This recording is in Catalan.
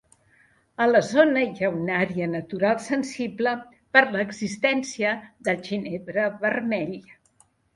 A la zona hi ha una àrea natural sensible per l'existència del ginebre vermell.